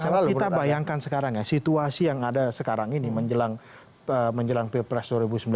karena kita bayangkan sekarang ya situasi yang ada sekarang ini menjelang menjelang pilpres dua ribu sembilan belas